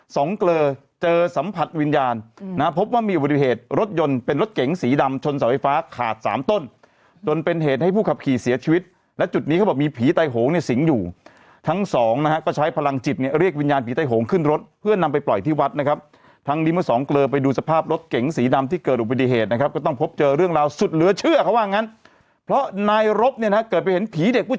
สองเกลอเจอสัมผัสวิญญาณนะครับพบว่ามีอุบัติเหตุรถยนต์เป็นรถเก๋งสีดำชนสาวไฟฟ้าขาดสามต้นจนเป็นเหตุให้ผู้ขับขี่เสียชีวิตและจุดนี้เขาบอกมีผีไต้โหงเนี่ยสิงห์อยู่ทั้งสองนะครับก็ใช้พลังจิตเนี่ยเรียกวิญญาณผีไต้โหงขึ้นรถเพื่อนำไปปล่อยที่วัดนะครับทั้งนี้เมื่อสองเกลอไปดูส